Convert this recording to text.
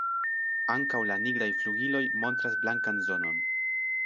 Ankaŭ la nigraj flugiloj montras blankan zonon.